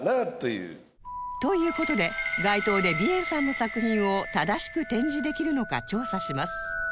という事で街頭で ＢＩＥＮ さんの作品を正しく展示できるのか調査します